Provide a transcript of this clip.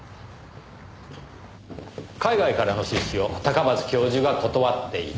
海外からの出資を高松教授が断っていた。